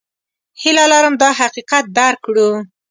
هیله لرم دا حقیقت درک کړو.